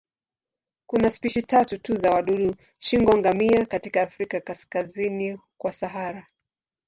Kuna spishi tatu tu za wadudu shingo-ngamia katika Afrika kaskazini kwa Sahara.